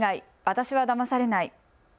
私はだまされない。